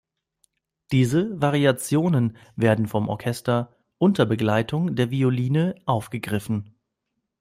Diese Variationen werden vom Orchester unter Begleitung der Violine aufgegriffen.